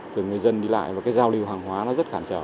từ người dân đi lại và cái giao lưu hàng hóa nó rất cản trở